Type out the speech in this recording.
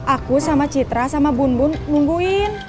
aku sama citra sama bun bun nungguin